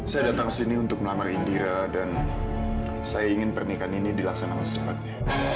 saya datang ke sini untuk melamar indira dan saya ingin pernikahan ini dilaksanakan secepatnya